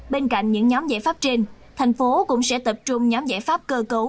bên cạnh những nhóm giải pháp trên thành phố cũng sẽ tập trung nhóm giải pháp cơ cấu